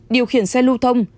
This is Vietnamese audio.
điều khiển xe lưu thông